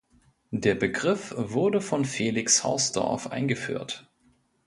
Der Begriff wurde von Felix Hausdorff eingeführt.